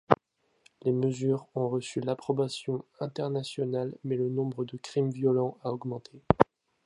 Les mesures ont reçu l'approbation internationale, mais le nombre de crimes violents a augmenté.